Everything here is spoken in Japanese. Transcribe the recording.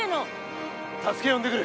助けよんでくる！